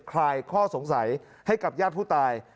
คลายข้อสงสัยให้กับญาติผู้ตาย